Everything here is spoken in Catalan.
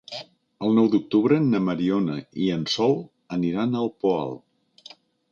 El nou d'octubre na Mariona i en Sol aniran al Poal.